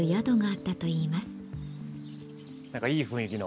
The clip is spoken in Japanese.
何かいい雰囲気の。